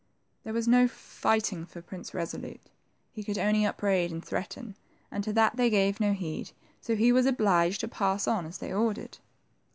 There was no fighting for Prince Resolute. He could only upbraid and threaten, and to that they gave no heed, so he was obliged to pass on as they ordered.